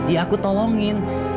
ya aku tolongin